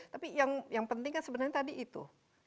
tapi yang penting kan sebenarnya tadi itu